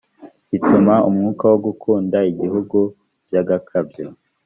bituma umwuka wo gukunda igihugu by agakabyo